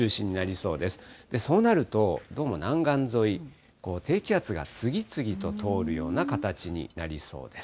そうなると、どうも南岸沿い、低気圧が次々と通るような形になりそうです。